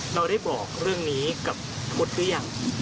เราได้บอกเรื่องนี้กับพุทธหรือยัง